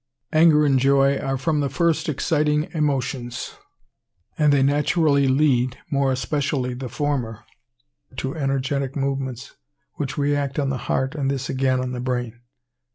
Anger and joy are from the first exciting emotions, and they naturally lead, more especially the former, to energetic movements, which react on the heart and this again on the brain.